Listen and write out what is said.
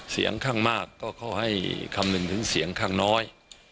เสียงข้างมากก็เขาให้คำนึงถึงเสียงข้างน้อย